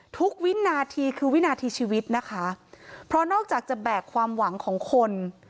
วินาทีคือวินาทีชีวิตนะคะเพราะนอกจากจะแบกความหวังของคน